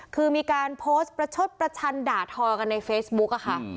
คือมีการโพสต์ประชดประชันด่าทอกันในเฟซบุ๊กอะค่ะ